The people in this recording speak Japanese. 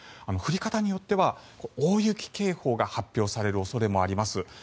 降り方によっては大雪警報が発表される恐れもあります。